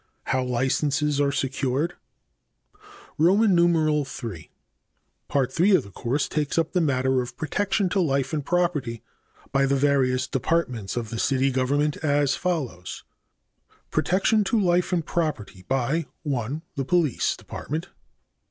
b. How licenses are secured. III. Part III of the course takes up the matter of protection to life and property by the various departments of the city government, as follows: Protection to life and property by 1. The Police Department.